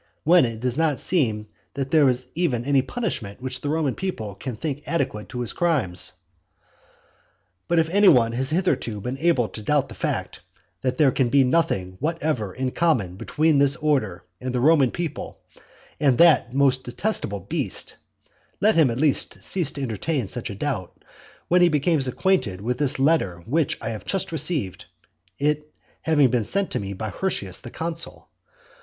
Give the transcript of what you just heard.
when it does not seem that there is even any punishment which the Roman people can think adequate to his crimes? But if any one has hitherto been able to doubt the fact, that there can be nothing whatever in common between this order and the Roman people and that most detestable beast, let him at least cease to entertain such a doubt, when he becomes acquainted with this letter which I have just received, it having been sent to me by Hirtius the consul.